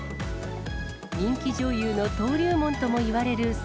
人気女優の登竜門ともいわれるＳ